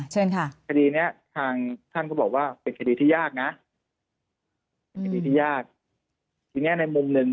ช่วงค่ะพี่เนี้ยท่านก็บอกว่าที่ยากนะอย่างแม่ในมุมนึง